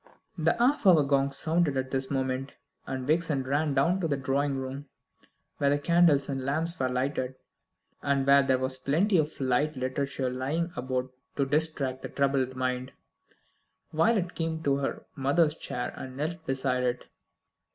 The half hour gong sounded at this moment, and Vixen ran down to the drawing room, where the candles and lamps were lighted, and where there was plenty of light literature lying about to distract the troubled mind. Violet went to her mother's chair and knelt beside it.